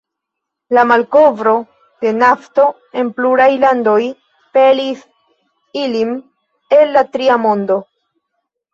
La malkovro de nafto en pluraj landoj pelis ilin el la Tria Mondo.